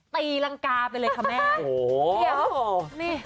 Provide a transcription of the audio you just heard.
ตีรังกาไปเลยค่ะแม่โอ้โหนี่